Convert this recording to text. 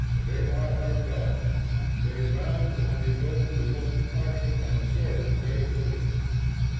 They are our gods: they round and ennoble the most partial and sordid way of living.